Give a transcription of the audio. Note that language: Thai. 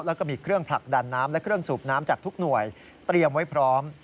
แล้วก็มีเครื่องผลักดันน้ำและเครื่องสูบน้ำจากทุกหน่วยเตรียมไว้พร้อม